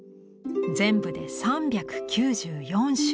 全部で３９４種。